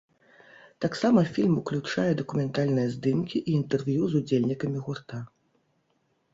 Таксама фільм уключае дакументальныя здымкі і інтэрв'ю з удзельнікамі гурта.